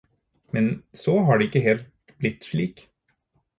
Men så har det ikke helt blitt slik.